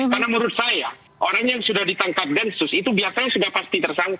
karena menurut saya orang yang sudah ditangkap densus itu biasanya sudah pasti tersangka